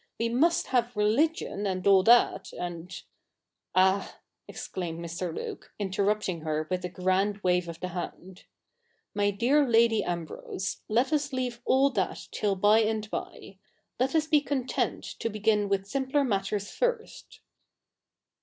We must have religion, and all that, and ' CH. i] THE NEW REPUBLIC 113 ' Ah !' exclaimed Mr. Luke, interrupting her with a grand wave of the hand ;' my dear Lady Ambrose, let us leave all that till by and by. Let us be content to begin with simpler matters first.'